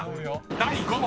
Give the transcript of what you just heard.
［第５問］